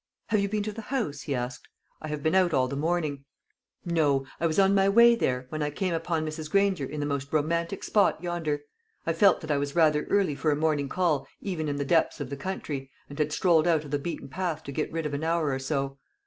"Have you been to the house?" he asked; "I have been out all the morning." "No; I was on my way there, when I came upon Mrs. Granger in the most romantic spot yonder. I felt that I was rather early for a morning call even in the depths of the country, and had strolled out of the beaten path to get rid of an hour or so."